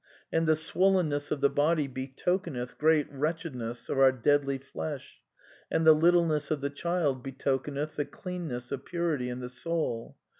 And the swollenness of the body be tokeneth great wretchedness of our deadly flesh, and the little ness of the Child betokeneth the cleanness of purity in the soul.